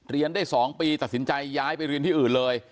เรียนได้๒ปีตัดสินใจย้ายไปเรียนที่อื่นเลย